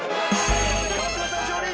川島さん勝利！